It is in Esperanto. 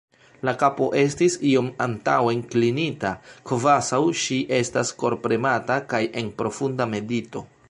La kapo estis iom antaŭen klinita, kvazaŭ ŝi estas korpremata kaj en profunda medito.